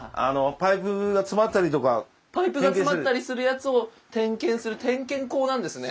パイプが詰まったりするやつを点検する点検口なんですね。